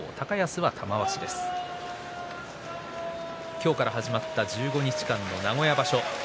今日から始まった１５日間の名古屋場所。